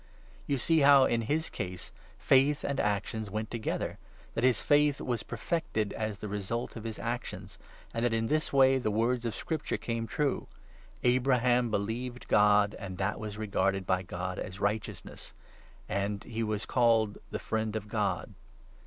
You see how, in his case, faith and actions 22 went together ; that his faith was perfected as the result of his actions ; and that in this way the words of Scripture came 23 true — "Abraham believed God, and that was regarded by God as righteousness," and " He was called the friend of God."